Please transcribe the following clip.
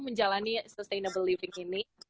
menjalani sustainable living ini